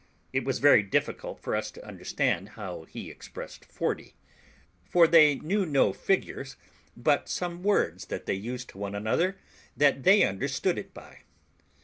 It was very difficult for us to understand how he expressed forty; for he knew no figures, but some words that they used to one another that they understood it by.